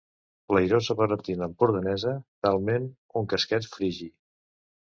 l'airosa barretina empordanesa, talment un casquet frigi